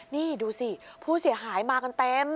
นี่ดูสิผู้เสียหายมากันเต็ม